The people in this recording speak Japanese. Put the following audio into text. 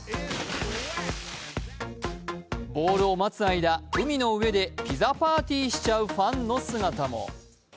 ボールを待つ間、海の上でピザパーティーしちゃうファンの姿も。